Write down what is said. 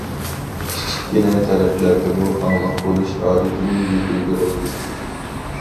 كىچىككىنە تەرەپلەردىمۇ ئاڭلىق بولۇش ئادىتىنى يېتىلدۈرەيلى.